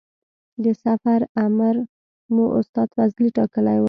د سفر امر مو استاد فضلي ټاکلی و.